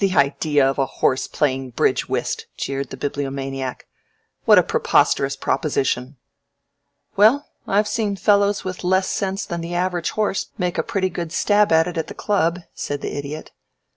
"The idea of a horse playing bridge whist!" jeered the Bibliomaniac. "What a preposterous proposition!" "Well, I've seen fellows with less sense than the average horse make a pretty good stab at it at the club," said the Idiot.